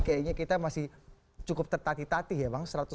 jadi kayaknya kita masih cukup tertatih tatih ya bang